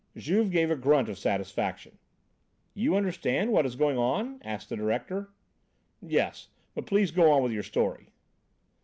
Juve gave a grunt of satisfaction. "You understand what is going on?" asked the director. "Yes, but please go on with your story."